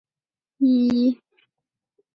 工草书喜吟诗。